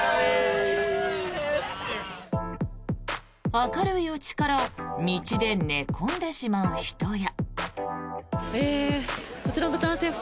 明るいうちから道で寝込んでしまう人や。